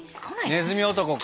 ねずみ男か？